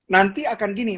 nanti akan gini